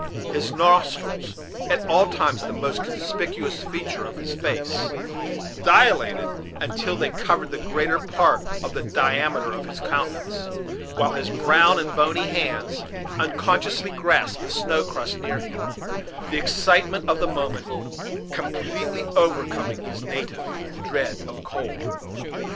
His nostrils, at all times the most conspicuous feature of his face, dilated until they covered the greater part of the diameter of his countenance; while his brown and bony hands unconsciously grasped the snow crust near him, the excitement of the moment completely overcoming his native dread of cold.